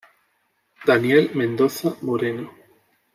Daniel Mendoza Moreno.